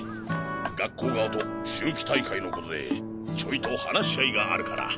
学校側と秋季大会の事でちょいと話し合いがあるから。